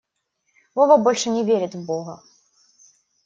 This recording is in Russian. Вова больше не верит в бога.